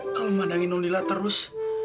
kalo mandangin nolila terus